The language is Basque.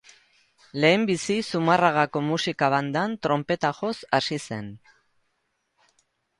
Lehenbizi Zumarragako Musika Bandan tronpeta joz hasi zen.